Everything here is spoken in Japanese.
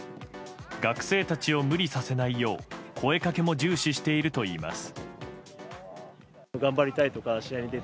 学生たちを無理させないよう声掛けも重視しているといいます。